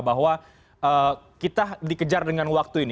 bahwa kita dikejar dengan waktu ini